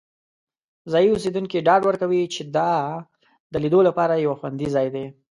ځایی اوسیدونکي ډاډ ورکوي چې دا د لیدو لپاره یو خوندي ځای دی.